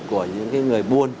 của những người buôn